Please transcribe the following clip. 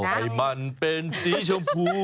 ให้มันเป็นสีชมพู